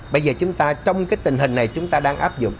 bây giờ chúng ta trong cái tình hình này chúng ta đang áp dụng